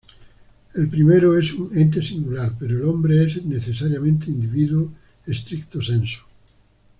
El primero es un "ente singular", pero el hombre es necesariamente individuo stricto sensu.